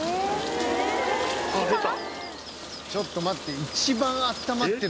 ちょっと待って。